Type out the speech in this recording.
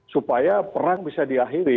supaya perang bisa diakhiri